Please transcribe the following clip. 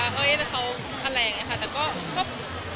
แต่ก็เขาก็เข้ามาคุยกับเราแล้วก็คุยถูกขอประมาณนี้